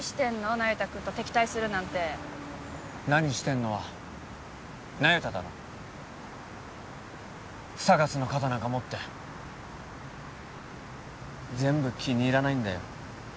那由他君と敵対するなんて「何してんの？」は那由他だろＳＡＧＡＳの肩なんか持って全部気に入らないんだよ